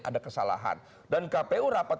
ada kesalahan dan kpu rapat